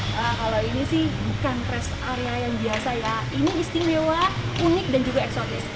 nah kalau ini sih bukan rest area yang biasa ya ini istimewa unik dan juga eksotis